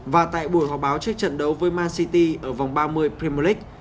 và tại buổi họp báo trước trận đấu với man city ở vòng ba mươi premier league